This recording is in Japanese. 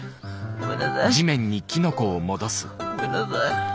ごめんなさい。